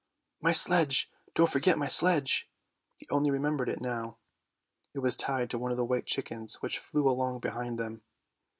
" My sledge! don't forget my sledge! " He only remembered it now, it was tied to one of the white chickens which flew along behind them.